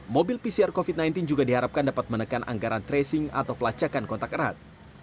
mobil pcr covid sembilan belas juga diharapkan dapat menekan anggaran tracing atau pelacakan kontak erat